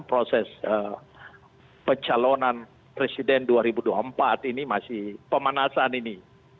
proses pencalonan presiden dua ribu dua puluh empat ini masih pemanasan ini